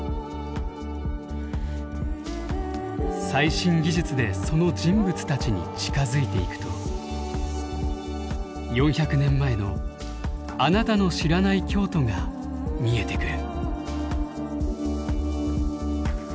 最新技術でその人物たちに近づいていくと４００年前のあなたの知らない京都が見えてくる。